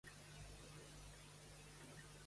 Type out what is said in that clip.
Quan fa bon temps, els Cullen s'esfumen.